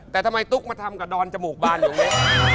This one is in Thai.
แต่ทำไมตุ๊กมาทำกับดอนจมูกบานอย่างนี้